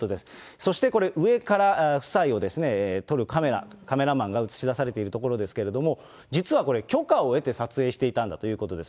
そしてこれ、上から夫妻を撮るカメラ、カメラマンが映し出されているところですけれども、実はこれ、許可を得て撮影していたんだということです。